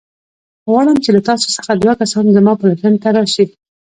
غواړم چې له تاسو څخه دوه کسان زما پلټن ته راشئ.